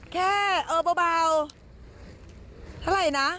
แค่เออเบา